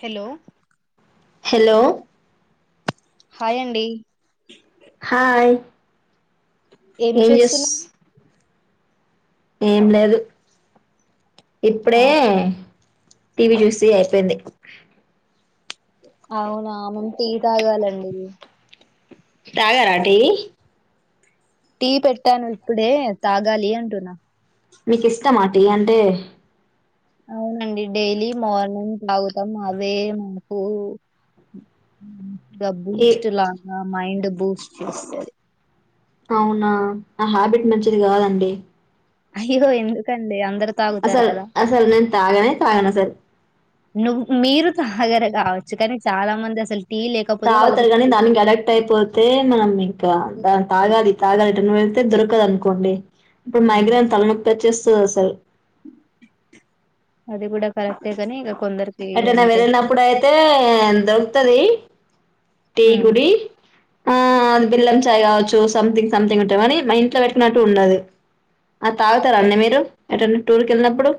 Hello hello hi అండి హయ ఏం చేస్తున్నా ఏం లేదు ఇప్పుడే టీవీ చూసి అయిపోయింది అవునామ టీ తాగాలండి తాగరాటి టీ పెట్టాను ఇప్పుడే తాగాలి అంటున్నా మీకు ఇష్టమాట అ అంటే అవునండి డైలీ మార్నింగ్ తాగుతాం అవే మాకు ఇ ఈ బూస్ట్ లా మైండ్ బూస్ట్ చేస్తంది అవునా నా హ్యాబిట్ మంచిది కాదండి అయ్యో ఎందుకండి అందరు తాగుతారు అసలు కదా అసలు న తాగాన్నా తాగనసలు నువ్వు మీరు తాగర కావచ్చు కానీ చాలా మంది అసలు టీ లేకపోతే వాళ్ళకి తాగుతారు కానీ తల దానికి కలెక్ట్ అయిపోతే మనం ఇంకా నొప్పి దాన్ని వస్తుంది. తాగాలి తాగాలిటర్న్ వెళ్తే దొర కదనుకోండి ఇప్పుడు ఉమ్, మైగ్రాన్ తలనొప్ప చెస్ అసలు అది కూడాడా కరక్తాయితని ఇ అంటే నా వెళ్ళినప్పుడు అయితే దొరుకుతది ఉమ్. తేయకుడి ఆ అది బిల్లం చాయ్ కావచ్చు సంథింగ్ సంథింగ్ ఉంటా మనీ మా ఇంట్లో పెట్టుకునట్టు ఉండదు అది తాగుతారు అన్నడి మీరు ఎ టూర్కి వెళ్ళినప్పుడు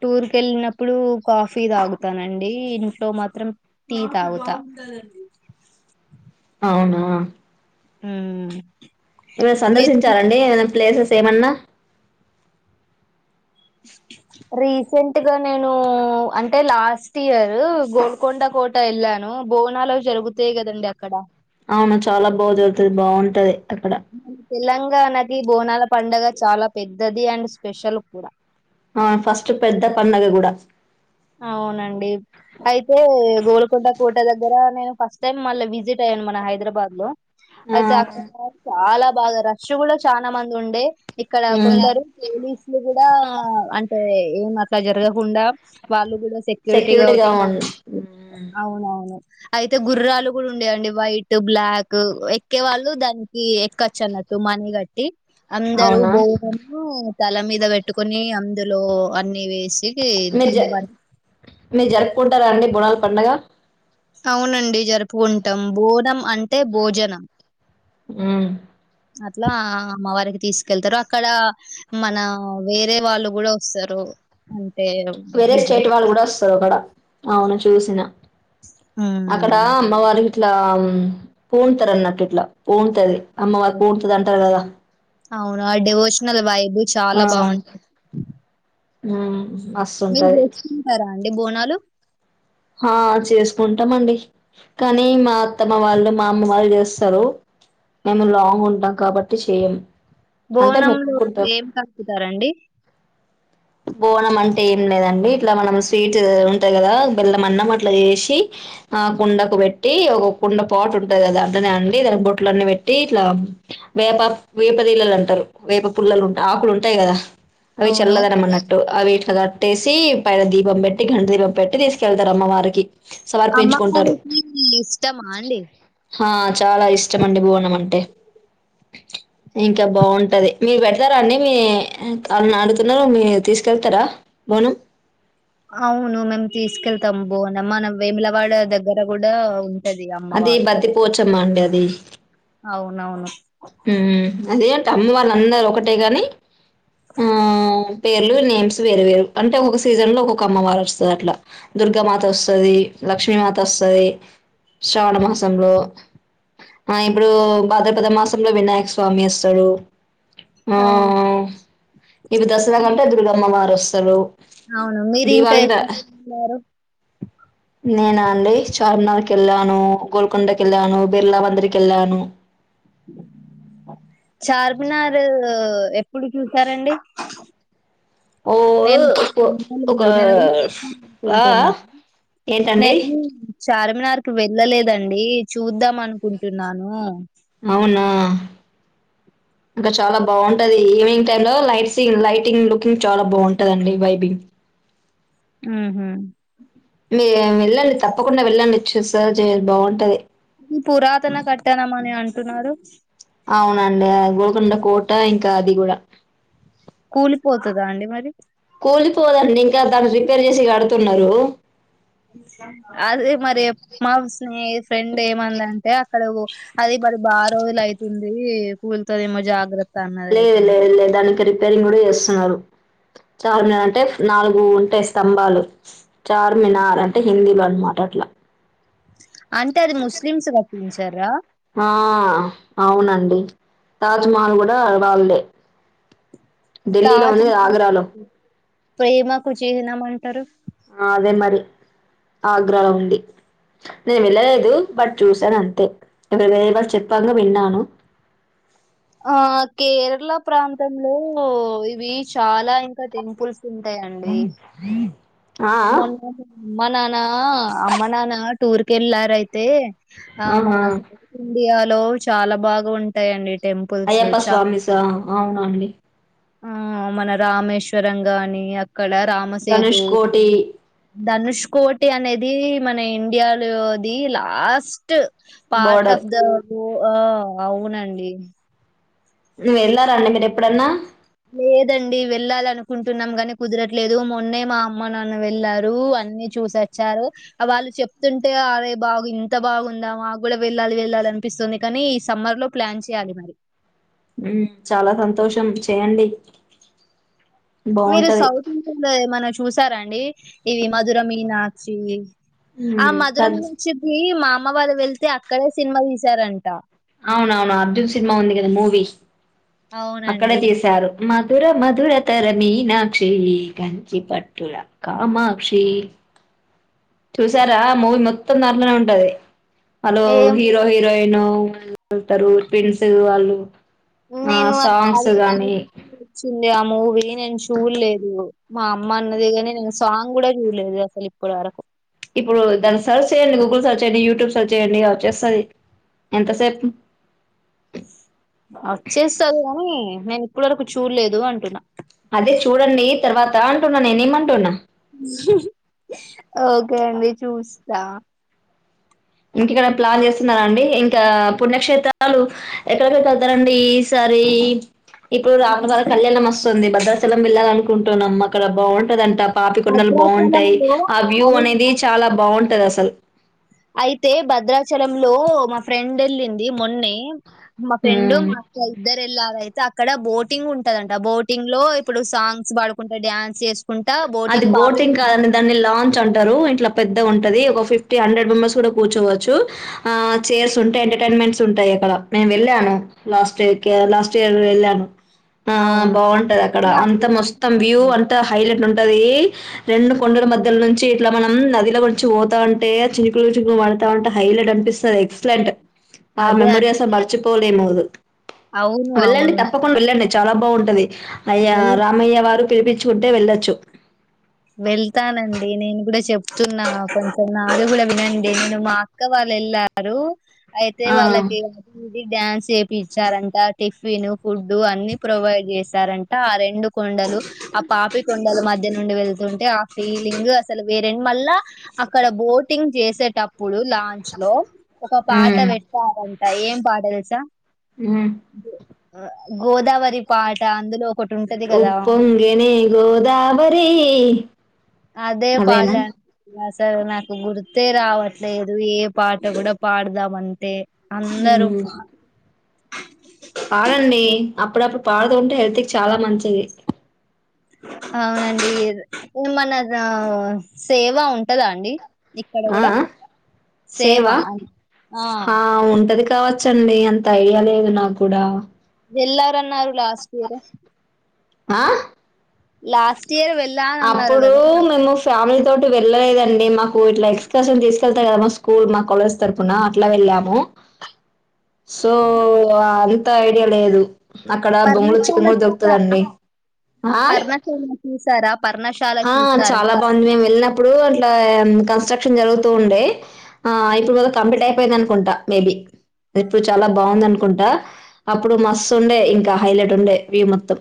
టూర్ క వెళ్ళినప్పుడు కాఫీ తాగుతానండి ఇంట్లో మాత్రం టీ తాగుతా అవునా ఉ ఏ సందర్శించారంండి ఏమైనా ప్లేసెస్ సేమన్నా రీసెంట్గా నేను అంటే లాస్ట్ ఇయర్ గోల్కొండ కోట వెళ్ళాను బోనాలు జరుగుతాయి కదంీ అక్కడ అవు చాలా బాగా చరుగుతుది బాగుంటది తక్కడ తెలంగాణకి బోనాల పంండగ చాలా పెద్దది అండ్ స్పెషల్ కూడా ఆ ఫస్ట్ పెద్ద పండగ కూడా అవునండి అయితే గోల్కొండ కోట దగ్గర నేను ఫస్ట్ టైం మళ్ళా విజిట్ అయ్యాను మన హైదరాబాద్ లో ఆ అయి అక్క చాలా బాగా రష్ కూడా చాలా మంది ఉండే ఇక్కడ కొందరు పోలీసులు కూడా ఇలా అంటే ఏం అట్లా జరగకుండా వాళ్ళు కూడా సెక్యూరిటీగా వచ్చి అవునవును అయితే గుర్రాలు కూడా ఉండేయంండి వైట్ బ్లాక్ ఎక్కేవాళ్ళు దానికి కచ్చ నట్టు మన గట్టు ది అందరూ అవునా బౌ [unintelligible] తల మీద పెట్టుకుని అందులో అన్ని వేస్ సి గ మీరు జ అమ్మ వారి మీరు జరుపుకుంటారా అండి బునాల పండుగ అవునండి జరుపుకుంటాం బోనం అంటే భోజనం మ్మ్ అట్లా అమ్మవారికి తీసుకెళ్తారు అక్కడ మన వేరే వాళ్ళు కూడా వస్తారు అ వేరే స్టేట్ వాళ్ళు కూడా వస్తరు అక్కడ అవును చూసిన అక్కడ ఉమ్. అమ్మవారి ట్లా పూన్తారు అన్నట్లు ఇట్ల పూన్తది అమ్మ వారికి పూన్తది అంటారు కదా అవును అవి డివోషనల్ వైబ్ అది చాలా బాగుంటా ఉ మీ [unintelligible] అండి బోనాలు ఆ చేసుకుంటాం అండి, కానీ మా అత్తమ్మ వాళ్ళు మా అమ్మ వాళ్ళు చేస్తారు, మేము లాంగ్ ఉంటాం కాబట్టి చేయము. బోనలు ఏం కలుపుతారండి బోనం అంటే ఏం లేదండి, ఇట్లా మనం స్వీట్ ఉంటాయి కదా బెల్లం అన్నం అట్లా చేసి, ఆ కుండకు పెట్టి ఒక కుండ పాట్ ఉంటది కదా, అంటనే అండి దానికి బొట్లు అన్ని పెట్టి ఇట్లా వేప వేపదీల్లలు అంటారు, వేప పుల్లలుంటా ఆకులు ఉంటాయి కదా అవును ఆ వీట్లా కట్టేసి పైన దీపం పెట్టి గంట దీపం పెట్టి తీసుకెళ్తారు అమ్మ వారికి అమ్మవారికి ఇలిష్టమా అండి హా చాలా ఇష్టం అండి బోనం అంటే ఇంకా బాగుంటది మీరు పెడతారా అండి మీ వాళని ఆడుతు ఒ మీరు తీసుకెళ్తారా బోనం అవును మేమ్ తీస్కెల్తం బొనం మన వేములవాడ దగ్గర గూడా అవును సది అమ్మవారు మండది అవునవును ఉం అదే అమ్మ వాళ్ళు అందరూ ఒకటే గాని ఆ పేర్లు నేమ్స్ వేరు వేరు అంటే ఒొక్క సీజన్ లో ఒొక్క అమ్మవారు వస్తుంది అట్లా దుర్గామాత వస్తుంది లక్ష్మీమాత వస్తుంది శ్రావణ మాసంలో ఆ ఇప్పుడు భాద్రపద మాస లో వినాయక స్వామి వస్తారు ఆ అవును ఇవి దసరా కంటే దురుగమ్మవారు అసలు అవును మీరు ఇంకా దీపాళికి ఎక్కడ వెళ్లారు నేనా అండి చార్మినార్ కెళ్ళాను గోల్కొండకి వెళ్ళాను బిర్లా మందిరికి వెళ్ళాను చార్మినార్ ఎప్పుడు చూసారండి ఓ ఒక నేనులేదు నేనుద్దా ఆ అనుకుంటున్నాను ఏంటండి నేను చార్మినార్ టు వెళ్ళలేదండి చూద్దాం అనుకుంటున్నాను అవునా ఇంకా చాలా బాగుంటది ఈవినింగ్ టైమ్ లో లైట్స్ లైటింగ్ లుకింగ్ చాలా బాగుంటదండి వైబింగ్ మ్హ్ ఏ వెళ్ళండి తప్పకుండా వెళ్ళండి చూసా బాగుంటది అ పురాతన కట్టనం అని అంటున్నారు అవునండి అ గోల్కొండ కోట ఇంకా అది గూడా కూలిపోతదా అండి మరి కూలిపోదండి ఇంకా దాన్ని రిపేర్ చేసి గడుతున్నారు అదే మరి మా స్నేహ్ ఫ్రెండ్ ఏమందంటే క్కడవొ అది బడె బా రోజులయితుంది కూల్తదేమో జాగ్రత్త అన్నదయితే లేదు మరి. లేదు లే దానికి రిపేరింగ్ కూడా చేస్తున్నారు చార్మినార్ అంటే నాలుగు ఉంటాయి స్తంభాలు చార్మినార్ అంటే హిందీలో అ మాటాట్లా అంటే అది ముస్లిమ్స్ కట్టించారా ఆ అవునండి తాజ్మహల్ కూడా వాళ్ళ్దే ఢిల్లీలో ఉంది తాజ్‌మహల్ ఆగ్రాలో ప్రేమకు చిహ్నం అంటరు ఆదే మరి ఆగ్రా లో ఉంది నేను వెళ్ళలేదు బట్ చూసాను అంతే ఇరు వేరే వాళ్ళు చెప్పగా విన్నాను ఆ కేరళ ప్రాంతంలో ఇవి చాలా ఇంకా టెంపుల్స్ [inaudible] మనన్ అమ్మ నానా అమ్మ నానా టూర్ కెళ్ళార అయితే ఆ మన ఆహా అ ఇండియాలో చాలా బాగా ఉంటాయంండి అయ్యప్ప స్వామిీసా అవునండి ఆ మన రామేశ్వరం గాని అక్కడ దనుష్ కోటి ధనుష్ కోటి అనేది మన ఇండియాలోది last part border of the tour ఆ అవునండి వెళ్ళారాండి మీరు ఎప్పుడన్నా లేదండి వెళ్ళాలి అనుకుంటున్నాం కాని కుదరట్లేదు మొన్నే మా అమ్మ నన్ను వెళ్ళారు అన్నీ చూసొచ్చారు వాళ్ళు చెప్తుంటే అదే బాగు ఇంత బాగుందాము ఆ కూడా వెళ్ళాలి వెళ్ళాలి అనిపిస్తుంది కానీ ఈ సమ్మర్ లో ప్లాన్ చేయాలి మరి ఉమ్ చాలా సంతోషం చే్యడి మీరు సౌత్ ఇండియన్ లో ఏమన్నా చూసారాండి అండి ఇవి మధుర మీనాక్షి ఆ మ్మ్ మధురం నుంచిది మా అమ్మబాారు వెళ్తే అక్కడే సినిమా తీశారంట అవునవును అర్దుుల్ సినిమా ఉంది కదా మూవీ అక్కడే అవునండి తీశారు మాకు దురమధురతర మీనాక్షి కంచి పట్టుల కామాక్షి చూసారా మూవీ మొత్తం తరలోనే ఉంటది హలో ఏం హీరో హిరోయిన్ వెతారు పింస్ వాళ్ళు ఆ నను సాంగ్స్ గానీ ఆ మూవీ నేను చూడలేదు మా అమ్మ అన్నది కానే నేను సాంగ్ కూడా చూడలేదు అసలు ఇప్పటి వరకు ఇప్పుడు దాన్ని సెర్చ్ చేయండి గూగుల్ సెర్చ్ చేయయండి యూట్యూబ్ సెర్చ్ చేయ్యడి అేస్తుంది ఎంతసేపు వచ్చేస్తది కాని నేను ఇప్పుడు వరకు చూడలేదు అంటున్నా అదే చూడండి తర్వాత అంటున్నా నేనేమమంటున్నా ఓకే అండి చూస్తా ఇంక ఇక్కడే ప్లాన్ చేస్తున్నారండి ఇంకా పుణ్యక్షేత్రాలు ఎక్కడెక్కడికి వెళ్తారండి ఈ సారి ఇప్పుడు రాముల బగ కళ్యాణం వస్తుంది బ సం వెళ్ల అనుకుంటున్నామ్మా అక్కడ బాగుం ట పాపికొండలు బాగుంటాయి భద్రాచలంలో ఆ వ్యూ అవును అనేది చాలా బాగుంట అంటే అసలు అయితే భద్రాచల లో మా ఫ్రెండ్ వెళ్ళింది మొన్నే మా ఫ్రెం హ్మ్ మా అక్క ఇద్దర ఎల్తే అక్కడ బోటింగ్ ఉంటదంట బోటింగ్ లో ఇప్పుడు సాంగ్స్ పాడుకుంటే డ్యాన్స్ చేస్ అది బోటింగ్ కాదని దాన్ని లాంచ్ అంటారు ఇంట్లా పెద్దగా ఉంటా ది ఒక ఫిఫ్టీ హండ్రెడ్ మెంబర్స్ కూడా కూర్చోవచ్చు. ఆ చైర్స్ ఉంటాయి. ఎంటర్టైన్మెంట్స్ ఉంటాయి. అక్కడ నేను వెళ్ళాను. లాస్ట్ ఇయర్ క లాస్ట్ ఇయర్ వెళ్ళాను ఆ అవును బాగుంటది అక్కడ. అంత మొత్తం వ్యూ అంత హైలైట్ ఉంట. ది రెండు కొండల మధ్యలో నుంచి ఇట్లా మనం నదిలో గురించి పోతామంటే, చికులు, చికులు ప డతామంటే హైలైట్ అనిపిస్తుంది. ఎక్సలెంట్. ఆ అదే మెమొరీ అండి అసలు మరిచిపోలేమోదు అవును వెళ్ళండి. అవును తప్పకుండా వెళ్ళండి. చాలా బాగుంటది అయ్య వెల్ రామయ్య వారు పిలిపించుకుంటే వెళ్ళచ్చు. వెళ్తానండి నేను కూడా చెప్తున్నా కొంచెం నాగ కూడా వినండి నేను మా అక్క వాళ్ళు వెళ్ళారు. అయితే ఆ! వాళ్ళకి డ్యాన్స్ చేపి ఇచ్చారంట. టిఫిన్ ఫుడ్ అన్ని ప్రొవైడ్ చేసారంట. ఆ రెండు కొండలు ఆ పాపి కొండలు మధ్య నుండి వెల్ తు ఎంటే ఆ ఫీలింగ్ అసలు వేరెం మళ్ళా అక్కడ బోటింగ్ చేసేటప్పుడు లాంచ్ లో ఒక పాట హ్మ్ పెట్టారని ఏం పాట తెలుసా హు అ గోదావరి పాట అందులో ఒకటి ఉంటది కదా ఉప్పొంగనే గోదావరి రి అదే పాట అండ్ స్ సలు నాకు గుర్తే రావట్లేదు ఏ పాట కూడా పాడదామంటే అందరూ [inaudible] హ్మ్ పాడండి అప్పుడప్పుడు పాడుతూ ఉంటే హెల్త్ కి చాలా మంచిది అవునండి మన సేవ ఉంటదా అండి ఇక్కడ ఆ కూడా ఆ సేవా ఆ హా ఉంటది కావచ్చండి అంత ఐడియా లేదు నాకు కూడా వెళ్ళారన్నారు లాస్ట్ ఇయర్ ఆ లాస్ అప్పుడు మేము ఫ్యామిలీ తోటి వెళ్ళలేదండి. మాకు ఇట్లా ఎక్స్కర్షన్ తీసుకెళ్తారు కదా. మా స్కూల్ మా కాలేజ్ తరఫన అట్లా వెళ్ళాము. సో ఆ, అంత అయి ఐడియా లేదు అక్కడ బోన్లెస్ పర్ణశాల చికెన్ కూడా చూసారా దొరుకుతాదండి ఆ పర్ణశాల చూసారా పర్ణశాల ఆ చూసారా చాలా బాగుంది మేము వెళ్ళినప్పుడు అట్లా కాస్త కన్స్ట్రక్షన్ జరుగుతూ ఉండే ఆ ఇప్పుడు వరకు కంప్లీట్ అయిపోయింది అనుకుంటా మేబీ ఇప్పు చాలా బాగుంది అనుకుంటా అప్పుడు మస్సు ఉండే ఇంకా హైలైట్ ఉండే వ్యూ మొత్తం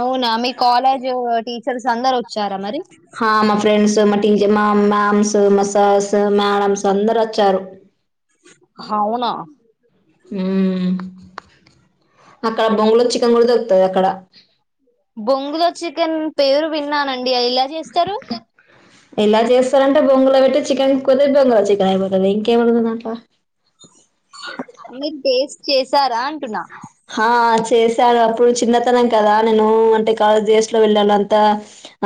అవునా మీ కాలేజ్ టీ తెలుసా అందరూ వచ్చారా మరి హా మా ఫ్రెండ్స్ మా టి డి మా మామ్స్ మా సర్స్ మేడమ్స్ అందరు వచ్చారు అవున ఉ అక్కడ బొంగులో చికెన్ కూడా దొరుకుతాది అక్కడ బొంగులో చికెన్ పేరు విన్నా అన్ అండి ఎలా చేస్తారు ఎలా చేస్తారంటే బొంగులో పెట్టి చికెన్ కొది బొంగులో చికెన్ అయిపోతుంది ఇంకేముంది దాంట్లో మీరు టేస్ట్ చెస్ తార అంటున్నా చేశాను అప్పుడు చిన్నతనం కదా నేను అంటే కాలేజ్ డేస్ లో వెళ్ళాను అంత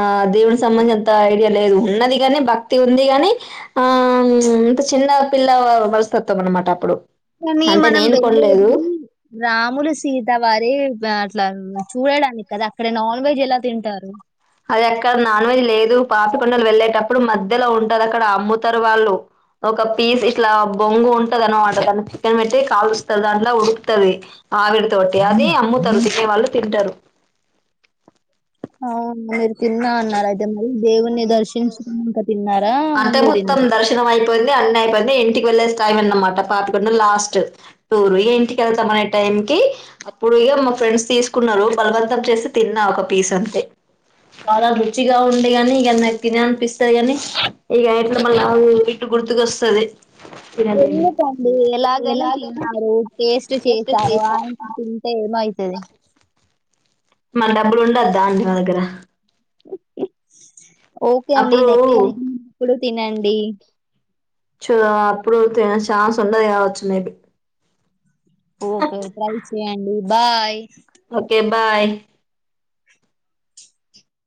ఆ దేవునికి సంబంధించి అంత ఐడియా లేదు ఉన్నది కాగాని భక్తి ఉంది గాని అ చిన్నపిల్ల మనస్తత్వం అన్నమాట అప్పుడు కానీ అంటే మనం నేను కొనలేదు. వెళ్ళేది రాములు సీత వారి అట్లా చూడడానికి కదా అక్కడ నాన్ వెజ్ ఎలా తింటారు అది అక్కడ నాన్ వెజ్ లేదు పాపి కొండలు వెళ్ళేటప్పుడు మధ్యలో ఉంటది అక్కడ అమ్ముతారు వాళ్ళు ఒక పీస్ ఇట్లా బొంగు ఉంటదన్ మాట దానిలో చికెన్ పెట్టి కాలుస్తరు దాంట్లో ఉడుకుతది ఆవిరి తోటి అది అమ్ముతారు తినే వాళ్ళు తింటారు అవును లేద్ తిన్నా అన్నారు అయితే మళ్ళీ దేవుని దర్శించుకుని ఇంక తిన్నారు అంటే మొత్తం దర్శనం అయిపోయింది అన్ని అయిపోయింది ఇంటికి వెళ్లేే టైం అన్నమాట పాపి కొండలు లాస్ట్ టూర్ ఇంటికి వెళ్తాం అనే టైం కి అప్పుడు ఇగ మా ఫ్రెండ్స్ తీసుకున్నారు బలవంతం చేసి తిన్నా ఒక పీస్ అంతే చాలా రుచిగా ఉంది గాని ఇగ నైతే తినాలిపిస్తది కాని ఇగ ఇట్లా మళ్ళీ ఇట్టు గుర్తుక వస్తుది ఎందుకండి ఎలాగైనా తిన్నారు, టేస్ట్ వేస్ట్ చేశరు చేశారు ఆయింత తింటే ఏమవుతు సరే మన డబ్బులు ఉండద్దా అండీ మన దగ్గర ఓకే అండి అప్పుడు నెక్స్ట్ టైమ్ ఇప్పుడు తినండి చూ అప్పుడు ఛాన్స్ ఉండది కావచ్చు మేబి ఓకే ట్రై చెయండి బాయ్ ఓకే బాయ్